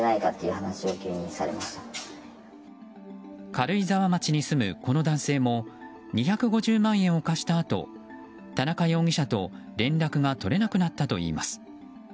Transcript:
軽井沢町に住むこの男性も２５０万円を貸したあと田中容疑者と連絡が取れなくなったといいます。